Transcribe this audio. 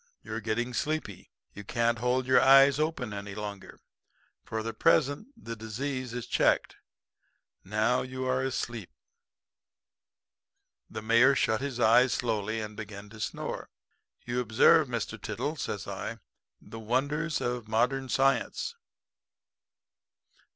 You're getting sleepy. You can't hold your eyes open any longer. For the present the disease is checked. Now, you are asleep.' "The Mayor shut his eyes slowly and began to snore. "'You observe, Mr. Tiddle,' says I, 'the wonders of modern science.'